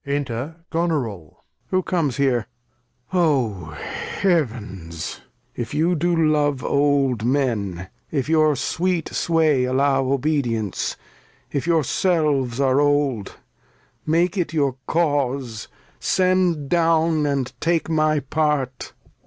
Enter Goneril. Who comes here ? Oh Heav'ns ! If you do love old Men ; if your sweet sway, AUow Obedience ; if yourselves are Old, Make it your Cause, sead down and take my Part